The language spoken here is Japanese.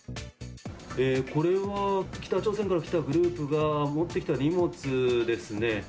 これは北朝鮮から来たグループが持ってきた荷物ですね。